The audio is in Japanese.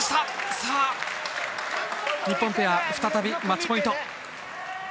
さあ、日本ペア再びマッチポイント。